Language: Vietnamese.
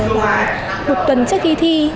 một tuần trước khi thi